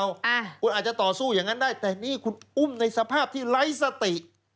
อ่าคุณอาจจะต่อสู้อย่างนั้นได้แต่นี่คุณอุ้มในสภาพที่ไร้สติ